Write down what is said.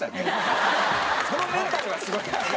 そのメンタルがすごい。